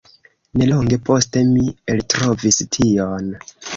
Nelonge poste mi eltrovis tion.